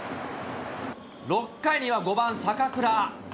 ６回には５番坂倉。